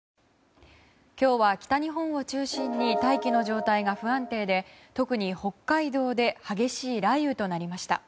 今日は北日本を中心に大気の状態が不安定で特に北海道で激しい雷雨となりました。